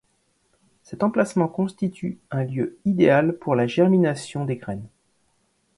Cet emplacement constitue un lieu idéal pour la germination des graines.